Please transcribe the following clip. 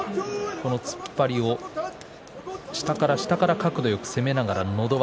この突っ張りを、下から下から角度よく攻めながらのど輪